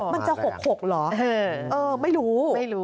มันจะ๖๖เหรอไม่รู้